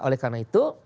oleh karena itu